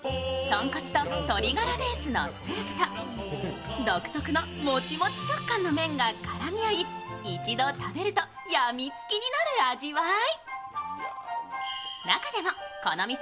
とんこつと鶏ガラベースのスープと独特のもちもち食感の麺が絡み合い一度食べるとやみつきになる味わい。